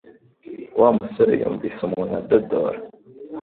Wa musore yumvise umuntu adodora